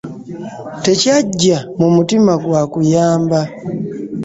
Tekyajja mu mutima gwa kuyamba.